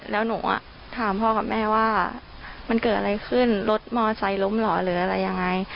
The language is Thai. แล้วหนูถามพ่อกับแม่ว่ามันเกิดอะไรขึ้นรถมอไซค์ล้มเหรอหรืออะไรยังไง